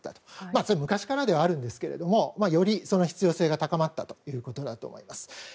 それは昔からではあるんですがより、その必要性が高まったということだと思います。